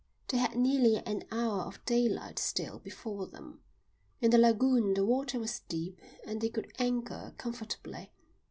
They had nearly an hour of daylight still before them. In the lagoon the water was deep and they could anchor comfortably.